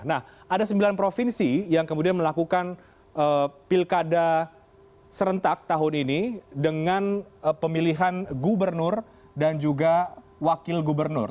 nah ada sembilan provinsi yang kemudian melakukan pilkada serentak tahun ini dengan pemilihan gubernur dan juga wakil gubernur